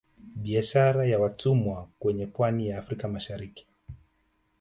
Biashara ya watumwa kwenye pwani ya Afrika ya Mashariki